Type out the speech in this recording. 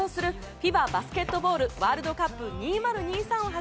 ＦＩＢＡバスケットボールワールドカップ２０２３